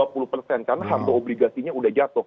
karena harga obligasinya udah jatuh